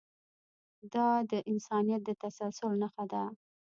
دا د انسانیت د تسلسل نښه ده.